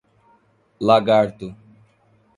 Lagarto